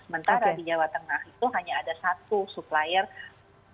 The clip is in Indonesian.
sementara di jawa tengah itu hanya ada produk yang diberikan oleh jawa tengah